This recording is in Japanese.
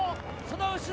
その後ろ